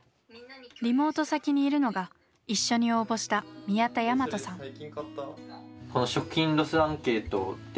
リモート先にいるのが一緒に応募した宮田倭杜さん。